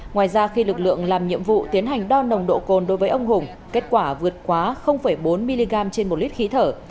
ngoài ra khi lực lượng làm nhiệm vụ tiến hành đo nồng độ cồn đối với ông hùng kết quả vượt quá bốn mg trên một lít khí thở